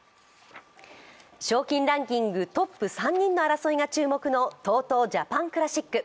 賞金ランキングトップ３人の争いが注目のＴＯＴＯジャパンクラシック。